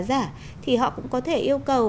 giả thì họ cũng có thể yêu cầu